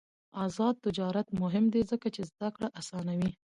آزاد تجارت مهم دی ځکه چې زدکړه اسانوي.